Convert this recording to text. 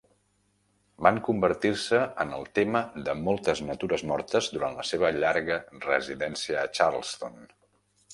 Van convertir-se en el tema de moltes natures mortes durant la seva llarga residència a Charleston.